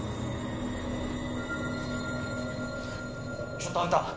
ちょっとあんた！